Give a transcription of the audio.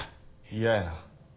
嫌やな。